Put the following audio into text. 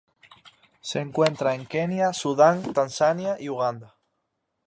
Se encuentra en Kenia, Sudán, Tanzania y Uganda.